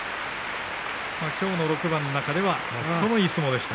きょうの６番の中では最もいい相撲でした。